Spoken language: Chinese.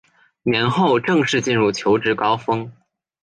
年后正式进入求职高峰